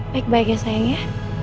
baik baik ya sayang ya